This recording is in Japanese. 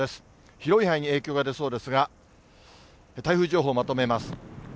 広い範囲に影響が出そうですが、台風情報まとめます。